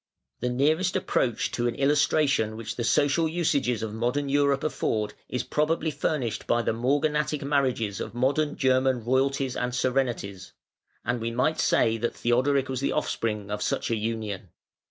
The nearest approach to an illustration which the social usages of modern Europe afford, is probably furnished by the "morganatic marriages" of modern German royalties and serenities: and we might say that Theodoric was the offspring of such an union.